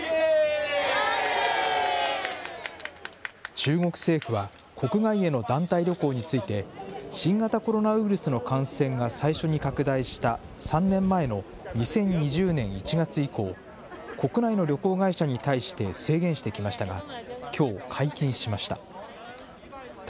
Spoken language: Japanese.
中国政府は、国外への団体旅行について、新型コロナウイルスの感染が最初に拡大した３年前の２０２０年１月以降、国内の旅行会社に対して制限してきましたが、きょう解禁しました。